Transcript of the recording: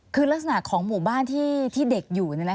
คือลักษณะของหมู่บ้านที่เด็กอยู่